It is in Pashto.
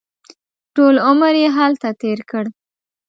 ټول عمر یې هلته تېر کړ.